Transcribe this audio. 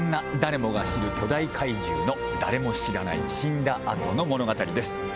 誰もが知る巨大怪獣の誰も知らない死んだ後の物語です。